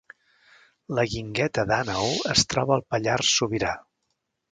La Guingueta d’Àneu es troba al Pallars Sobirà